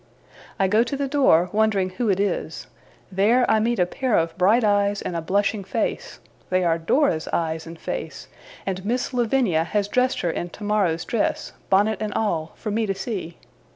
I go to the door, wondering who it is; there, I meet a pair of bright eyes, and a blushing face; they are Dora's eyes and face, and Miss Lavinia has dressed her in tomorrow's dress, bonnet and all, for me to see.